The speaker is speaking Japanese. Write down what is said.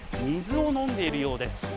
水をのんでいるようです。